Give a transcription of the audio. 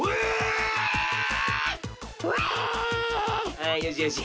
あよしよし。